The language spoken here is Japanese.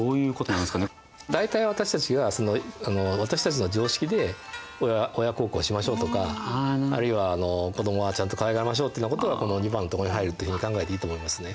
大体私たちが私たちの常識で親孝行しましょうとかあるいは子どもはちゃんとかわいがりましょうっていうようなことがこの２番のとこに入るっていうふうに考えていいと思いますね。